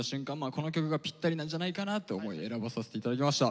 この曲がぴったりなんじゃないかなと思い選ばさせて頂きました。